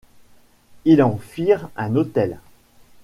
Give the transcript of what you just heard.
Il en firent un hôtel.